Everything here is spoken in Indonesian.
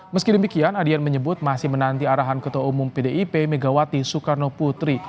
meski demikian adian menyebut masih menanti arahan ketua umum pdip megawati soekarno putri